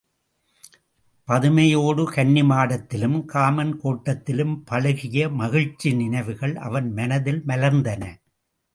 பதுமையோடு கன்னிமாடத்திலும் காமன் கோட்டத்திலும் பழகிய மகிழ்ச்சி நினைவுகள் அவன் மனத்தில் மலர்ந்தன.